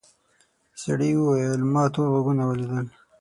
سړي وویل ما تور غوږونه ولیدل.